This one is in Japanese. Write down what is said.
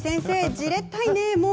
じれったいね、もう。